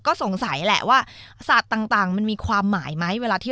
ก็สงสัยแหละว่าสัตว์ต่างมันมีความหมายไหมเวลาที่